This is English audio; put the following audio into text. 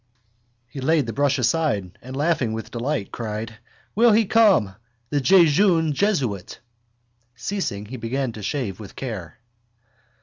He laid the brush aside and, laughing with delight, cried: —Will he come? The jejune jesuit! Ceasing, he began to shave with care.